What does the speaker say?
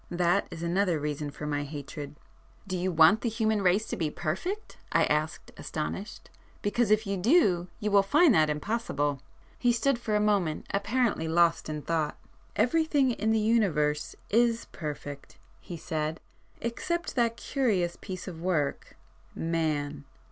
That is another reason for my hatred." "Do you want the human race to be perfect?" I asked astonished—"Because, if you do, you will find that impossible." He stood for a moment apparently lost in thought. "Everything in the Universe is perfect,"—he said, "except that curious piece of work—Man.